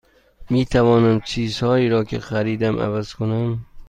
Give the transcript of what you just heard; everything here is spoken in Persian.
می توانم چیزهایی را که خریدم عوض کنم؟